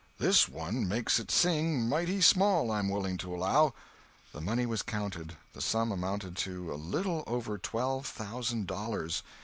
This one makes it sing mighty small, I'm willing to allow." The money was counted. The sum amounted to a little over twelve thousand dollars.